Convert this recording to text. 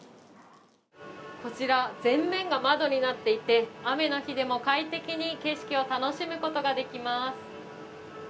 こちら全面が窓になっていて雨の日でも快適に景色を楽しむことができます。